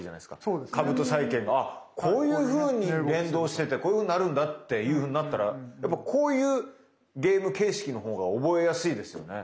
株と債券がこういうふうに連動しててこういうふうになるんだっていうふうになったらやっぱこういうゲーム形式のほうが覚えやすいですよね。